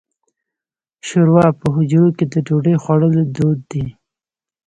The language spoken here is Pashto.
شوروا په حجرو کې د ډوډۍ خوړلو دود دی.